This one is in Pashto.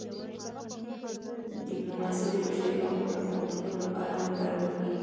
ډیپلوماسي د بشري حقونو د خوندیتوب لپاره هم کارول کېږي.